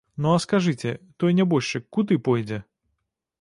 Ну, а скажыце, той нябожчык куды пойдзе?